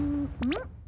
ん？